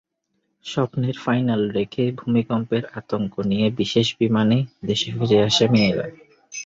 স্বপ্নের ফাইনাল রেখে ভূমিকম্পের আতঙ্ক নিয়ে বিশেষ বিমানে দেশে ফিরে আসে মেয়েরা।